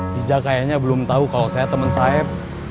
dija kayaknya belum tahu kalau saya temen saeb